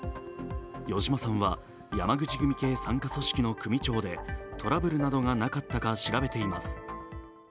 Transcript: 余嶋さんは山口組系傘下の組長でトラブルなどがなかったか調べています。